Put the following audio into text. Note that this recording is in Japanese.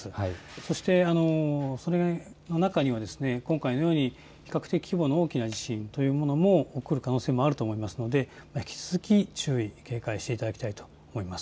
そして、その中には今回のように比較的規模の大きな地震というものも起こる可能性もあると思いますので引き続き注意、警戒して頂きたいと思います。